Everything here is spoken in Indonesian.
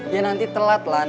ya nanti telat lan